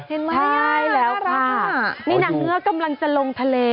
ใช่แล้วค่ะนี่หนังเนื้อกำลังจะลงทะเล